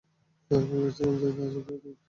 আমি ভেবেছিলাম যেহেতু আজ রবিবার, তুমি ফ্রি আছ।